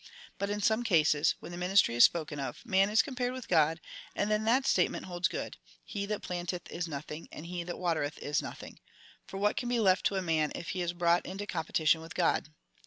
But in some cases, when the ministry is spoken of, man is compared with God, and then that statement holds good — He that planteth is nothing^ and he that luatereth is nothing ; for what can be left to a man if he is brought into competi tion with God